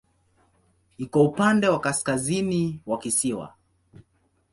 Iko upande wa kaskazini wa kisiwa.